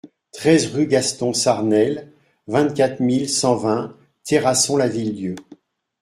treize rue Gaston Sarnel, vingt-quatre mille cent vingt Terrasson-Lavilledieu